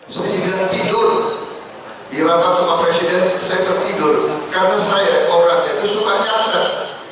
saya juga tidur di lapas sama presiden saya tertidur karena saya orangnya itu suka nyata